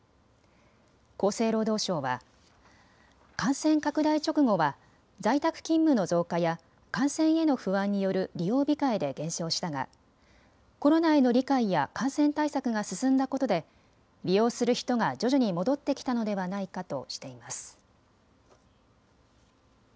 厚生労働省は感染拡大直後は在宅勤務の増加や感染への不安による利用控えで減少したがコロナへの理解や感染対策が進んだことで、利用する人が徐々に戻ってきたのではないかとしています。